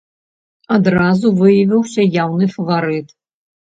Адразу выявіўся яўны фаварыт.